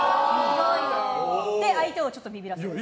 それで相手をちょっとビビらせる。